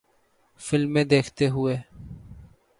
فلمیں دیکھتے ہوئے